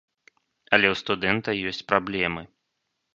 Але ў студэнта ёсць праблемы.